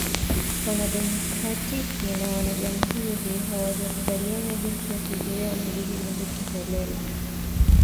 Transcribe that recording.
Wanademokratiki na Wanajamhuri hawajakubaliana jinsi ya kuzuia umiliki bunduki holela Marekani